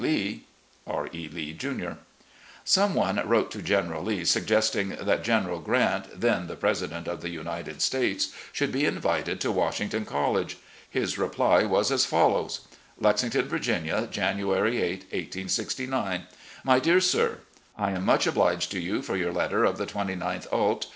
Lee. "R. E. Lee, Jr." Some one wrote to General Lee suggesting that General Grant, then the president of the United States, should be invited to Washington College. His reply was as follows: "Lexington, Virginia, January 8, 1869. " My Dear Sir: I am much obliged to you for your let ter of the 29th ult.